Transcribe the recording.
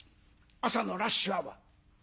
朝のラッシュアワー。